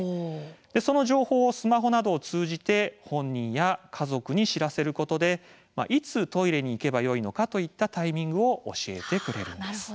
その情報をスマホなどを通じて本人や家族に知らせることでいつトイレに行けばよいのかといったタイミングを教えてくれます。